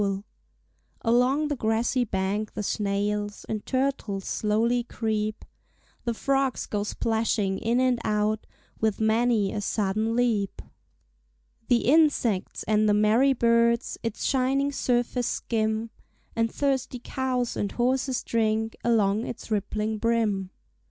Along the grassy bank the snails And turtles slowly creep; The frogs go splashing in and out With many a sudden leap. The insects and the merry birds Its shining surface skim; And thirsty cows and horses drink Along its rippling brim.